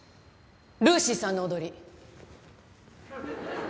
ルーシーさんの踊り。